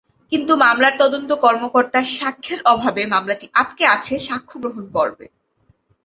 কিন্তু মামলার তদন্ত কর্মকর্তার সাক্ষ্যের অভাবে মামলাটি আটকে আছে সাক্ষ্যগ্রহণ পর্বে।